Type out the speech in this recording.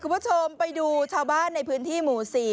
คุณผู้ชมไปดูชาวบ้านในพื้นที่หมู่๔